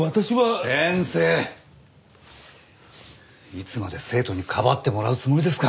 いつまで生徒にかばってもらうつもりですか。